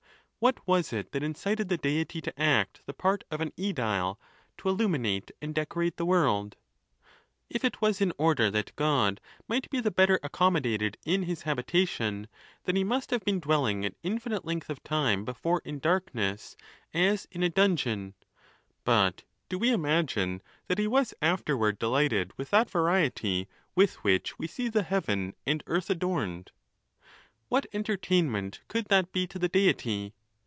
What was it that incited the Deity to act the part of an sedile, to illuminate and decorate the world ? If it was in order that God might be the better accommo dated in his habitation, then he must have been dwelling an infinite length of time before in darkness as in a dun geon. But do we imagine that he was afterward delighted with that variety with which we see the heaven and earth adorned? What entertainment could that be to the Deity?